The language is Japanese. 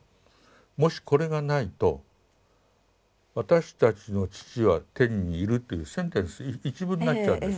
もしこれがないと「私たちの父は天にいる」というセンテンス一文になっちゃうんです。